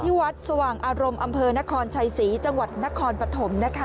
วัดสว่างอารมณ์อำเภอนครชัยศรีจังหวัดนครปฐมนะคะ